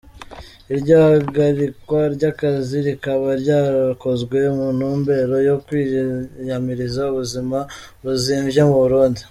Iryo hagarikwa ry’akazi rikaba ryakozwe mu ntumbero yo kwiyamiriza ubuzima buzimvye mu Burundi.